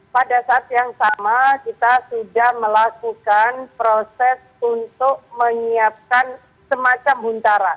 pada saat yang sama kita sudah melakukan proses untuk menyiapkan semacam huntara